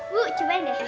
bu cobain ya